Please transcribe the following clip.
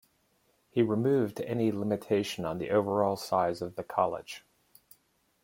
He removed any limitation on the overall size of the College.